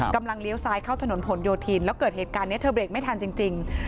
เลี้ยวซ้ายเข้าถนนผลโยธินแล้วเกิดเหตุการณ์นี้เธอเบรกไม่ทันจริง